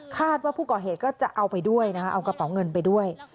ว่าผู้ก่อเหตุก็จะเอาไปด้วยนะคะเอากระเป๋าเงินไปด้วย